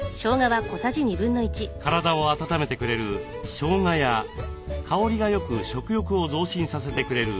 体を温めてくれるしょうがや香りがよく食欲を増進させてくれるみょうが。